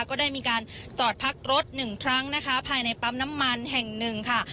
ก็ได้มีการจอดพักรถหนึ่งครั้งนะคะภายในปั๊มน้ำมันแห่งหนึ่งค่ะ